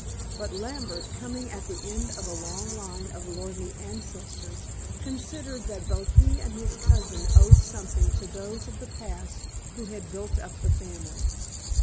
But Lambert, coming at the end of a long line of lordly ancestors, considered that both he and his cousin owed something to those of the past who had built up the family.